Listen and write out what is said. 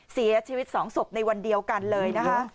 เสียชีวิต๒ศพในวันเดียวกันเลยนะคะ